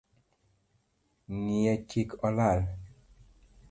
Ngiye kik olal